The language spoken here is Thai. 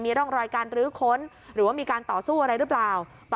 ร่องรอยการรื้อค้นหรือว่ามีการต่อสู้อะไรหรือเปล่า